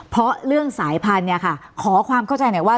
เพราะเรื่องสายพันธุ์เนี่ยค่ะขอความเข้าใจหน่อยว่า